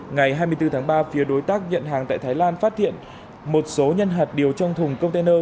ngày hai mươi bốn tháng ba phía đối tác nhận hàng tại thái lan phát hiện một số nhân hạt điều trong thùng container